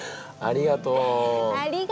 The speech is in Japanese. ありがとう！